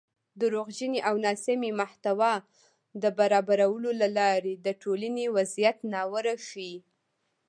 دروغجنې او ناسمې محتوا د برابرولو له لارې د ټولنۍ وضعیت ناوړه وښيي